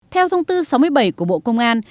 theo thông tư sáu mươi bảy của bộ công an